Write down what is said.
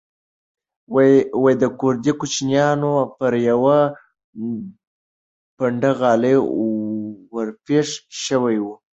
د کوردي کوچیانو پر یوه پنډغالي ورپېښ شوی و.